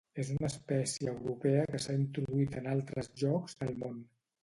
És una espècie europea que s'ha introduït en altres llocs del món.